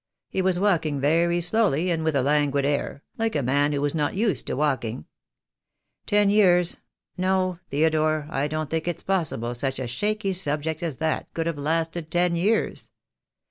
He was walking very slowly, and with a languid air, like a man who was not used to walk ing. Ten years — no, Theodore— I don't think it's possible such a shaky subject as that could have lasted ten years.